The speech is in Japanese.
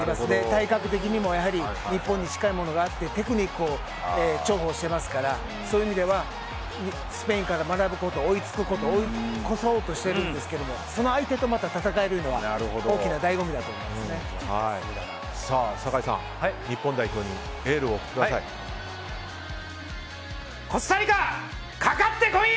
体格的にも日本に近いものがあってテクニックを重宝してますからそういう意味ではスペインから学ぶこと追いつくこと追い越そうとしてるんですけどその相手と戦えるのは酒井さん、日本代表にエールを送ってください。